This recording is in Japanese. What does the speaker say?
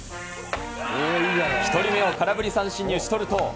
１人目を空振り三振に打ち取ると。